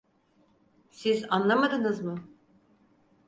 Siz anlamadınız mı?